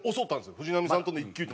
藤波さんとの一騎打ち。